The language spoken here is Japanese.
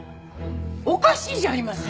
おかしいじゃありませんか。